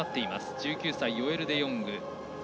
１９歳、ヨエル・デヨング。